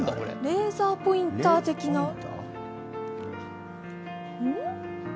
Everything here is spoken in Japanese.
レーザーポインター的な？